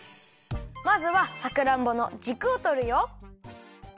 まずはさくらんぼのじくをとるよ。